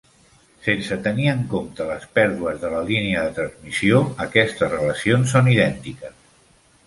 Sense tenir en compte les pèrdues de la línia de transmissió, aquestes relacions són idèntiques.